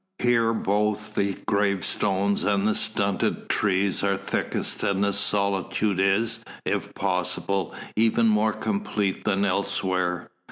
Here both the gravestones and the stunted trees are thickest, and the solitude is, if possible, even more complete than elsewhere.